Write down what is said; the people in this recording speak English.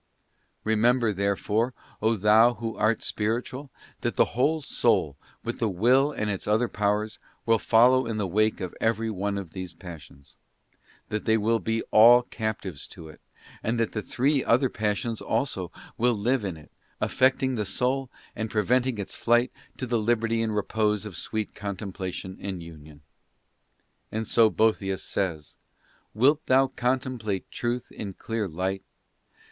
Remember, therefore, O thou who art spiritual, that the whole soul, with the Will and its other powers, will follow in the wake of every one of these passions; that they will be all captives to it, and that the three other passions also will live in it, afflicting the soul and preventing its flight to the liberty and repose of sweet Contemplation and Union. And so Boethius says: Wilt thou contemplate Truth in clear light?